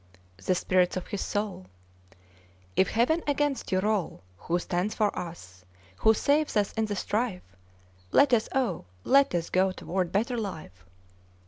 'The Spirits of his soul. 'If Heaven against you roll, Who stands for us? who saves us in the strife? Let us, O let us go toward better life!